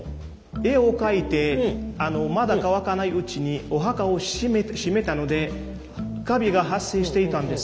絵を描いてまだ乾かないうちにお墓を閉めたのでカビが発生していたんです。